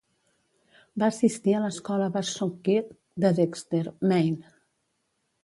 Va assistir a l'escola Wassookeag de Dexter, Maine.